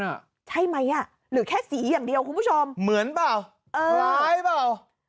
ใช่ไหมอ่ะหรือแค่สีอย่างเดียวคุณผู้ชมเหมือนเปล่าเออคล้ายเปล่า